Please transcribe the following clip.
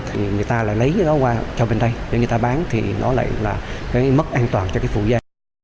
thì người ta lại lấy cái đó qua cho bên đây để người ta bán thì nó lại là cái mất an toàn cho cái phụ da